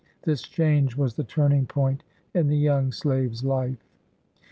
This change was the turning point in the young slave's life.